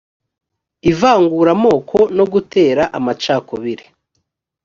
ivanguramoko no gutera amacakubiri